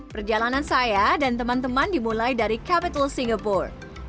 perjalanan saya dan teman teman dimulai dari capital singapura